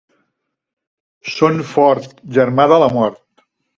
Son fort, germà de la mort.